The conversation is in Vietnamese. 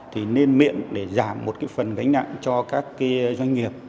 thì nên miễn để giảm một phần gánh nặng cho các doanh nghiệp